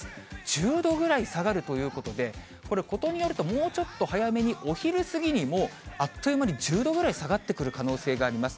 １０度ぐらい下がるということで、これ、ことによるともうちょっと早めに、お昼過ぎに、もうあっという間に１０度ぐらい下がってくる可能性があります。